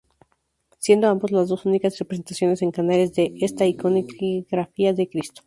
Siendo ambos las dos únicas representaciones en Canarias de esta iconografía de Cristo.